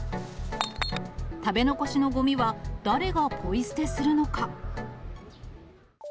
食べ残しのごみは誰がポイ捨てするのか。